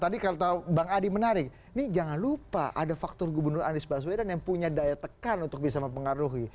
tadi kalau bang adi menarik ini jangan lupa ada faktor gubernur anies baswedan yang punya daya tekan untuk bisa mempengaruhi